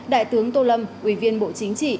đại tướng tô lâm ủy viên bộ chính trị